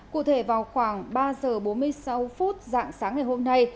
cụ thể vào khoảng ba giờ bốn mươi sáu phút dạng sáng ngày hôm nay